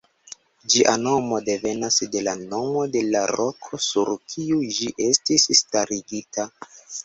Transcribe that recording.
Ĝia nomo devenas de la nomo de la roko, sur kiu ĝi estis starigita.